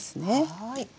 はい。